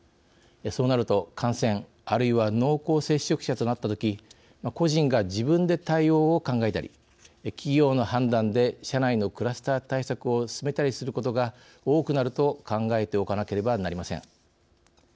そうなると、感染あるいは濃厚接触者となったとき個人が自分で対応を考えたり企業の判断で社内のクラスター対策を進めたりすることが多くなると考えておかなければなりません。